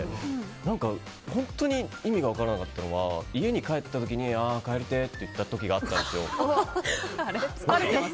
何か本当に意味が分からなかったのは家に帰った時に帰りてえって言った時があったんですよ。